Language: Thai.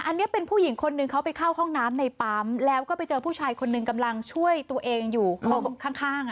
อันนี้เป็นผู้หญิงคนหนึ่งเขาไปเข้าห้องน้ำในปั๊มแล้วก็ไปเจอผู้ชายคนหนึ่งกำลังช่วยตัวเองอยู่ข้าง